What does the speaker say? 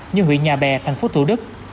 như huyện nhà bè thành phố thủ đức